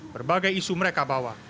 berbagai isu mereka bawa